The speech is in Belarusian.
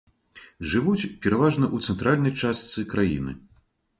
Жывуць пераважна ў цэнтральнай частцы краіны.